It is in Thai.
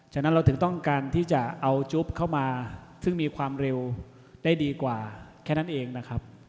ฉะนั้นเราถึงต้องการที่จะเอาจุ๊บเข้ามาซึ่งมีความเร็วได้ดีกว่าแค่นั้นเองนะครับ